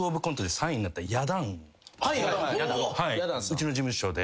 うちの事務所で。